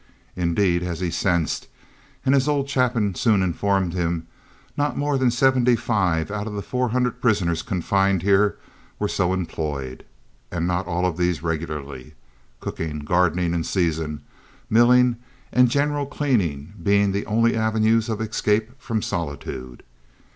Indeed, as he sensed and as old Chapin soon informed him, not more than seventy five of the four hundred prisoners confined here were so employed, and not all of these regularly—cooking, gardening in season, milling, and general cleaning being the only avenues of escape from solitude.